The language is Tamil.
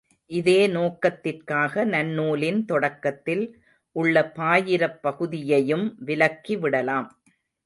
இதே நோக்கத்திற்காக, நன்னூலின் தொடக்கத்தில் உள்ள பாயிரப் பகுதியையும் விலக்கிவிடலாம்.